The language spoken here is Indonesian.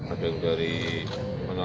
ada yang dari manado